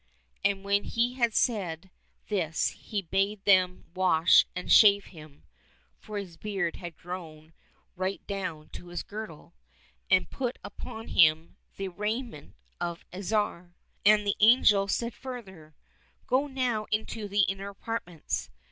— ^And when he had said this he bade them wash and shave him (for his beard had grown right down to his girdle), and put upon him the raiment of a Tsar. And the angel said further, " Go now into the inner apartments.